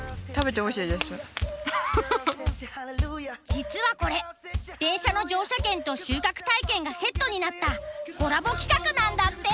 実はこれ電車の乗車券と収穫体験がセットになったコラボ企画なんだって。